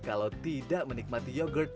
kalau tidak menikmati yogurt